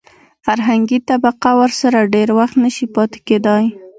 فرهنګي طبقه ورسره ډېر وخت نشي پاتې کېدای.